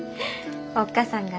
おっ母さんがね